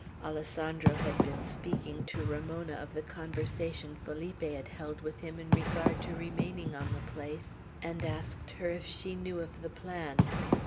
Alessandro had been speaking to Ramona of the conversation Felipe had held with him in regard to remaining on the place, and asked her if she knew of the plan.